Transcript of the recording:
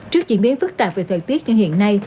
trước diễn biến phức tạp về thời tiết như hiện nay